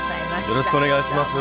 よろしくお願いします